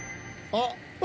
あっ！